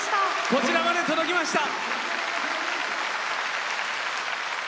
こちらまで届きました。